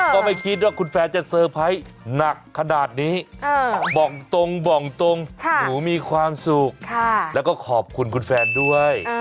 ก็ไม่คิดว่าคุณแฟนจะเตอร์ไพรส์หนักขนาดนี้บอกตรงบอกตรงหนูมีความสุขแล้วก็ขอบคุณคุณแฟนด้วย